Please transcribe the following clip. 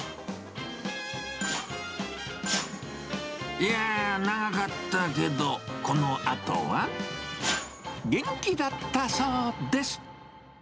いやぁ、長かったけど、このあとは元気だったそうです。